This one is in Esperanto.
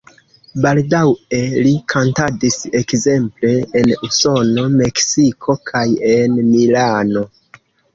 Baldaŭe li kantadis ekzemple en Usono, Meksiko kaj en Milano.